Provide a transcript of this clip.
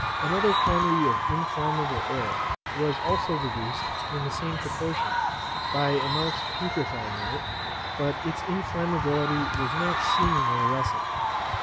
Another quantity of inflammable air was also reduced in the same proportion, by a mouse putrefying in it; but its inflammability was not seemingly lessened.